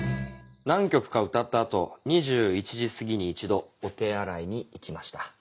何曲か歌った後２１時すぎに一度お手洗いに行きました。